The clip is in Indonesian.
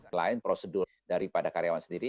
selain prosedur daripada karyawan sendiri